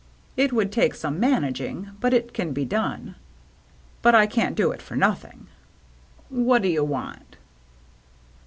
It would take some managing, but it can be done. But I can't do it for nothing." " What do you want